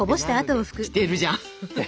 してるじゃん！